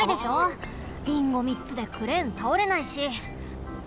リンゴ３つでクレーンたおれないし。